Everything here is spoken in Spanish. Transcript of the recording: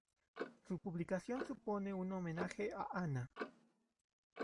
Su publicación supone un homenaje a Ana.